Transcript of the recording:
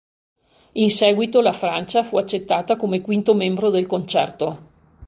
In seguito la Francia fu accettata come quinto membro del concerto.